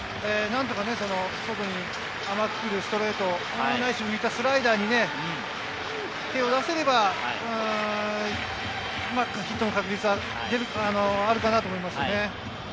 外に甘く来るストレート、少し浮いたスライダーに手を出せれば、うまくヒットの確率は上がるかなと思いますね。